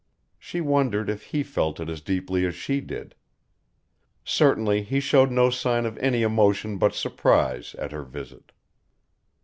She wondered if he felt it as deeply as she did. Certainly he showed no sign of any emotion but surprise at her visit.